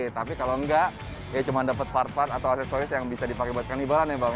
tapi kalau enggak ya cuma dapet part part atau asesoris yang bisa dipakai buat karnivalan ya bang ya